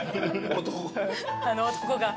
あの男が。